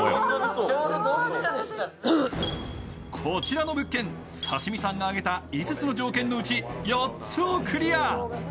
こちらの物件、刺身さんが挙げた５つの条件のうち４つをクリア。